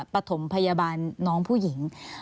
ปฐมพยาบาลน้องผู้หญิง